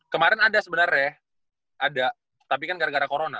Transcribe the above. kemarin ada sebenarnya ada tapi kan gara gara corona